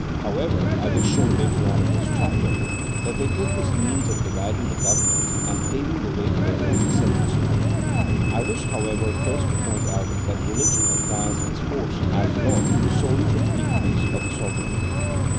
However, I will show later on in this chapter that they take this means of dividing the go vernment, and paving the way to their own ascendency. I wish, however, first to point out that religion acquires its force as law solely from the decrees of the sovereign.